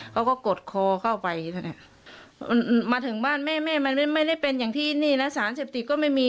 กดคอเข้าไปมาถึงบ้านแม่แม่มันไม่ได้เป็นอย่างที่นี่นะสารเสพติดก็ไม่มี